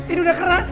ini udah keras